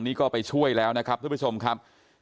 นี่ก็ไปช่วยแล้วนะครับทุกผู้ชมครับ